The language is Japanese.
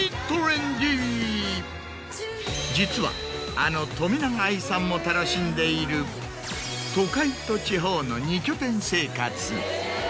実はあの冨永愛さんも楽しんでいる都会と地方の二拠点生活。